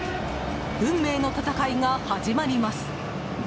運命の戦いが始まります。